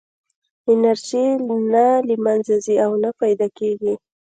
انرژي نه له منځه ځي او نه پیدا کېږي.